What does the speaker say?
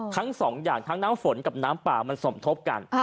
ทั้งสองอย่างทั้งน้ำฝนกับน้ำป่ามันสมทบกัน